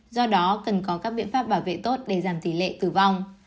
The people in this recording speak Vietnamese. do đó cần có các biện pháp bảo vệ tốt để giảm tỷ lệ tử vong